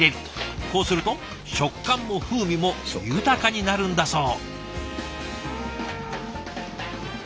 こうすると食感も風味も豊かになるんだそう。